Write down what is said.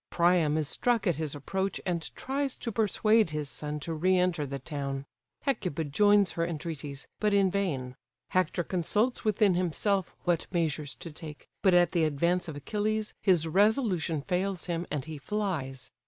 Priam is struck at his approach, and tries to persuade his son to re enter the town. Hecuba joins her entreaties, but in vain. Hector consults within himself what measures to take; but at the advance of Achilles, his resolution fails him, and he flies.